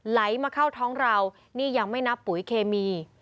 ไหลมาเข้าท้องเรานี่ยังไม่นับปุ๋ยเคมี